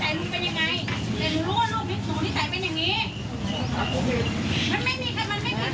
แล้วมันก็ไม่รู้ว่าที่ใส่มันเป็นยังไงหนูก็ไม่รู้หรอกที่ใส่มันเป็นยังไง